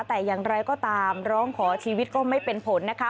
แต่อย่างไรก็ตามร้องขอชีวิตก็ไม่เป็นผลนะคะ